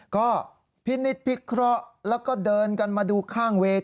ก็พินิษฐพิเคราะห์แล้วก็เดินกันมาดูข้างเวร